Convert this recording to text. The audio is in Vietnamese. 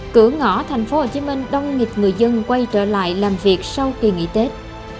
cửa ngõ thành phố hồ chí minh đông nghịch người dân quay trở lại làm việc sau khi nghỉ tết